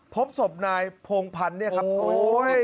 พบศพนายพงพันธ์เนี่ยครับโอ้ย